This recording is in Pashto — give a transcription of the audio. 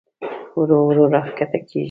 ورو ورو راښکته کېږي.